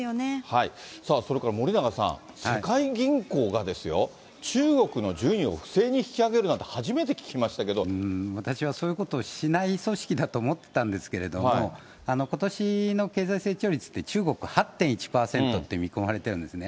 それから森永さん、世界銀行がですよ、中国の順位を不正に引き上げるなんて初めて聞きました私はそういうことをしない組織だと思ったんですけど、ことしの経済成長率って、中国、８．１％って見込まれているんですね。